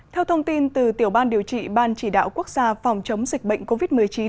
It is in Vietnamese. theo thông tin từ tiểu ban điều trị ban chỉ đạo quốc gia phòng chống dịch bệnh covid một mươi chín